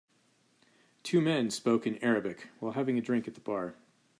Two men spoke in Arabic while having a drink at the bar.